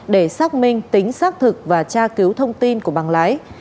để xác minh tính xác thực và tra cứu thông tin của bằng lái